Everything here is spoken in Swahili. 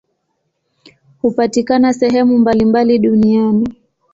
Hupatikana sehemu mbalimbali duniani.